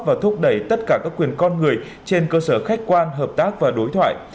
và thúc đẩy tất cả các quyền con người trên cơ sở khách quan hợp tác và đối thoại